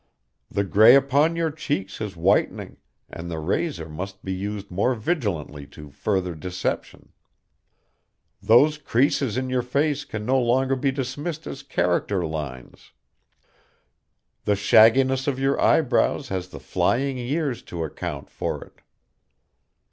The gray upon your cheeks is whitening and the razor must be used more vigilantly to further deception. Those creases in your face can no longer be dismissed as character lines; the shagginess of your eyebrows has the flying years to account for it.